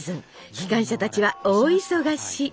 機関車たちは大忙し。